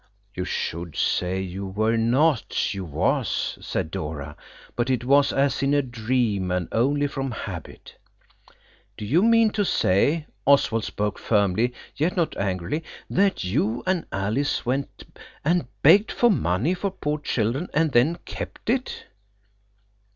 "You should say 'you were,' not 'you was,'" said Dora, but it was as in a dream and only from habit. "Do you mean to say"–Oswald spoke firmly, yet not angrily–"that you and Alice went and begged for money for poor children, and then kept it?"